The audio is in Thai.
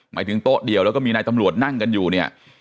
หมายถึงโต๊ะเดียวแล้วก็มีนายตำรวจนั่งกันอยู่เนี่ย